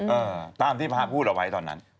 เออตามที่พระพูดเอาไว้ตอนนั้น